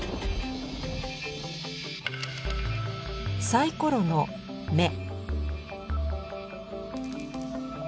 サイコロの目。